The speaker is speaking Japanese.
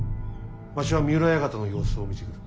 わしは三浦館の様子を見てくる。